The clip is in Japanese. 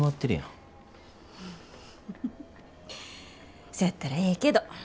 フフフフそやったらええけど。